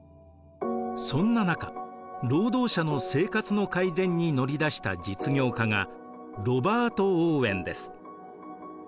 そんな中労働者の生活の改善に乗り出した実業家がロバート・オーウェンです。